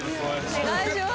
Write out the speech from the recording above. お願いします